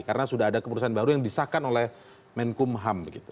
karena sudah ada kemurusan baru yang disahkan oleh menkumham